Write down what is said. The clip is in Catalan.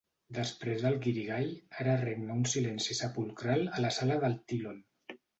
Després del guirigall, ara regna un silenci sepulcral a la Sala de Tlön.